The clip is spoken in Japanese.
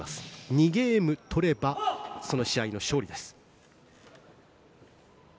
２ゲーム取ればその試合は勝利です。